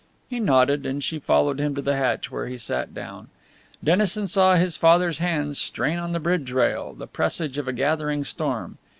He nodded, and she followed him to the hatch, where he sat down. Dennison saw his father's hands strain on the bridge rail, the presage of a gathering storm.